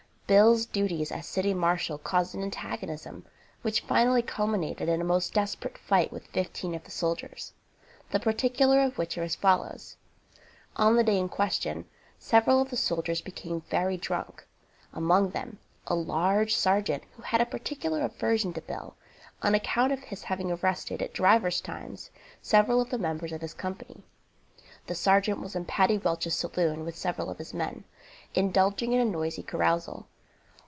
Bill's duties as city marshal caused an antagonism which finally culminated in a most desperate fight with fifteen of the soldiers, the particulars of which are as follows: On the day in question, several of the soldiers became very drunk, among them a large sergeant who had a particular aversion to Bill on account of his having arrested, at divers times, several of the members of his company. The sergeant was in Paddy Welch's saloon with several of his men, indulging in a noisy carousal.